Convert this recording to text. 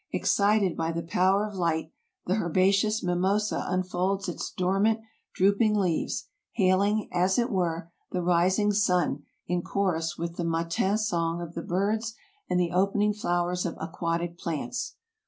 Excited by the power of light, the herbaceous mimosa unfolds its dormant, drooping leaves, hailing, as it were, the rising sun in chorus with the matin song of the birds and the opening flowers of aquatic plants.